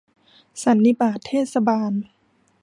สันนิบาตเทศบาล